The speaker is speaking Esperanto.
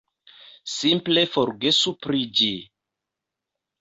Simple forgesu pri ĝi!